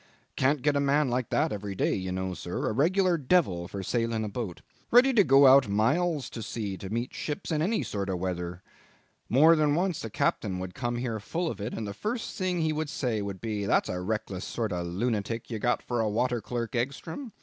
Can't get a man like that every day, you know, sir; a regular devil for sailing a boat; ready to go out miles to sea to meet ships in any sort of weather. More than once a captain would come in here full of it, and the first thing he would say would be, 'That's a reckless sort of a lunatic you've got for water clerk, Egstrom.